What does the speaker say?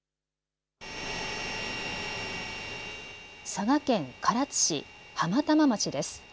佐賀県唐津市浜玉町です。